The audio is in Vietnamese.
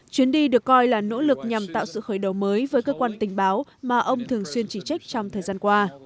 chuyến đi được coi là nỗ lực nhằm tạo sự khởi đầu mới với cơ quan tình báo mà ông thường xuyên chỉ trích trong thời gian qua